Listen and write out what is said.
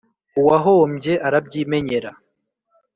uwahombye arabyimenyera